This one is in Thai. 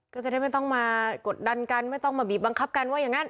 ก็จะได้ไม่ต้องมากดดันกันไม่ต้องมาบีบบังคับกันว่าอย่างนั้น